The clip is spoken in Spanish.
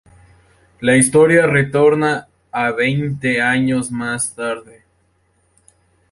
La historia retorna a veinte años más tarde.